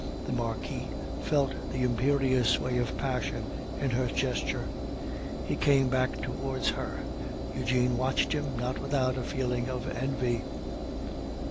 The Marquis felt the imperious sway of passion in her gesture; he came back towards her. Eugene watched him, not without a feeling of envy.